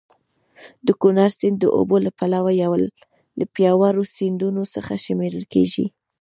د کونړ سیند د اوبو له پلوه یو له پیاوړو سیندونو څخه شمېرل کېږي.